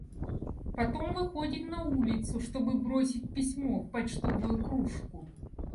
Потом выходит на улицу, чтобы бросить письмо в почтовую кружку.